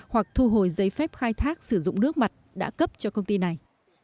hoặc thu hồi giấy phép khai thác sử dụng nước mặt đã cấp cho công ty này